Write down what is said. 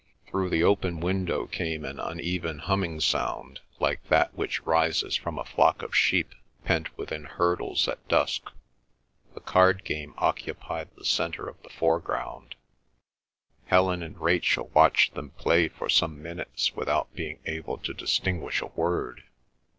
Through the open window came an uneven humming sound like that which rises from a flock of sheep pent within hurdles at dusk. The card party occupied the centre of the foreground. Helen and Rachel watched them play for some minutes without being able to distinguish a word.